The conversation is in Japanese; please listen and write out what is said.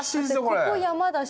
ここ山だし